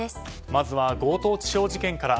まずは強盗致傷事件から。